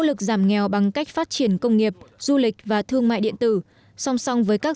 lực giảm nghèo bằng cách phát triển công nghiệp du lịch và thương mại điện tử song song với các